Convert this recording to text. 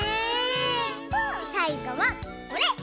さいごはこれ！